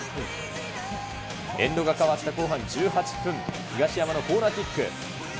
エンドが変わった後半１８分、東山のコーナーキック。